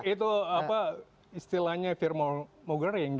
itu apa istilahnya fear mogering